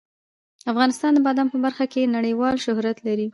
افغانستان د بادام په برخه کې نړیوال شهرت لري.